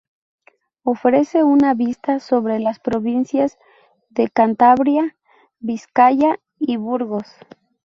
Ofrece una vista sobre las provincias de Cantabria, Vizcaya y Burgos.